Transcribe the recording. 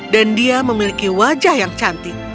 dan dia memiliki wajah yang cantik